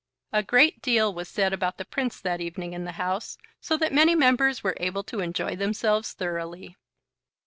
A great deal was said about the Prince that evening in the House, so that many members were able to enjoy themselves thoroughly.